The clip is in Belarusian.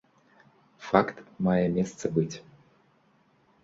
Факт мае месца быць.